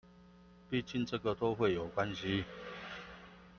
畢竟這個都會有關係